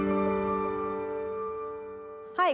はい。